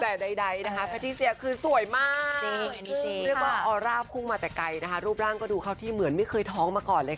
เรียกว่าออร่าฟคุ้งมาแต่ไกลนะคะรูปร่างก็ดูเขาที่เหมือนไม่เคยท้องมาก่อนเลยค่ะ